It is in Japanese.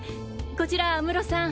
こちら安室さん。